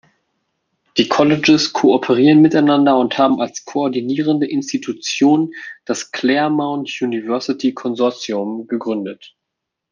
Die Colleges kooperieren miteinander und haben als koordinierende Institution das "Claremont University Consortium" gegründet.